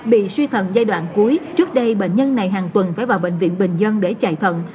bị suy thận giai đoạn cuối trước đây bệnh nhân này hàng tuần phải vào bệnh viện bình dân để chạy thận